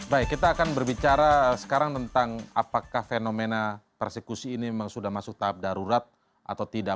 baik kita akan berbicara sekarang tentang apakah fenomena persekusi ini memang sudah masuk tahap darurat atau tidak